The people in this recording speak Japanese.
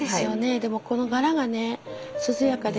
でもこの柄がね涼やかで。